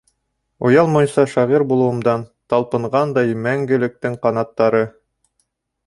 Оялмайса шағир булыуымдан, Талпынғандай мәңгелектең ҡанаттары.